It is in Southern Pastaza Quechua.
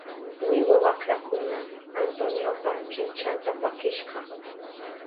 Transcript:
Wiwa wakrakuna Antoniopa kinchanta pakishka.